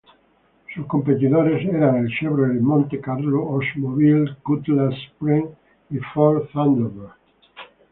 Sus competidores eran el Chevrolet Monte Carlo, Oldsmobile Cutlass Supreme y Ford Thunderbird.